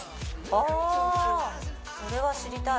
あそれは知りたい！